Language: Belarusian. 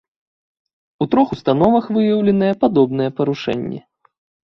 У трох установах выяўленыя падобныя парушэнні.